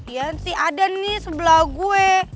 ya sih ada nih sebelah gue